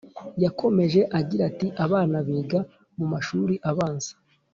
Yakomeje agira ati ”Abana biga mu mashuri abanza